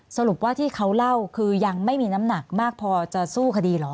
สรุปว่าที่เขาเล่าคือยังไม่มีน้ำหนักมากพอจะสู้คดีเหรอ